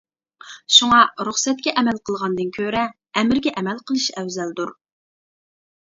شۇڭا رۇخسەتكە ئەمەل قىلغاندىن كۆرە، ئەمىرگە ئەمەل قىلىش ئەۋزەلدۇر.